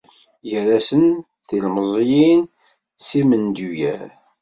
Gar-asen, tilmeẓyin s yimenduyar.